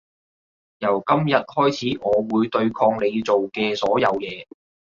由今日開始我會對抗你做嘅所有嘢